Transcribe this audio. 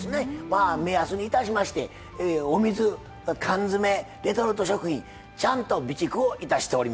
まあ目安にいたしましてお水缶詰レトルト食品ちゃんと備蓄をいたしております。